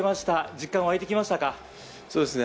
実感湧いてきましたか？